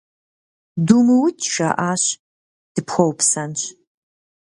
Думыукӏ, - жаӏащ,- дыпхуэупсэнщ.